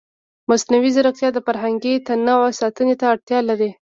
مصنوعي ځیرکتیا د فرهنګي تنوع ساتنې ته اړتیا لري.